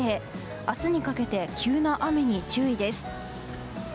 明日にかけて急な雨に注意です。